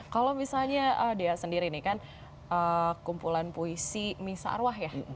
kalau misalnya dea sendiri nih kan kumpulan puisi misa arwah ya